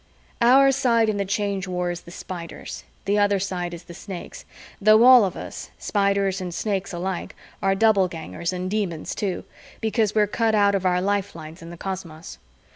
Our side in the Change War is the Spiders, the other side is the Snakes, though all of us Spiders and Snakes alike are Doublegangers and Demons too, because we're cut out of our lifelines in the cosmos.